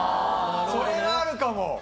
それはあるかも！